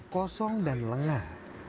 kosong dan lengah